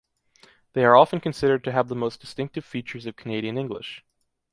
They are often considered to have the most distinctive features of Canadian English.